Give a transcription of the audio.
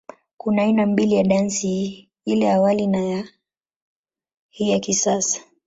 Kuna aina mbili ya dansi hii, ile ya awali na ya hii ya kisasa.